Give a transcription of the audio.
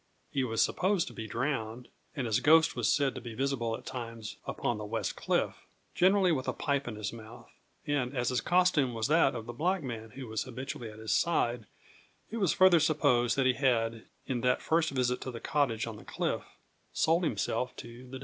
He was supposed to be drowned, and his ghost was said to be visible at times upon the West Cliff generally with a pipe in his mouth. And as his costume was that of the black man, who was habitually at his side, it was further supposed that he had, in that first visit to the cottage on the cliff, sold himself to the D